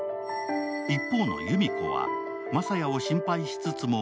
一方の裕実子は真佐也を心配しつつも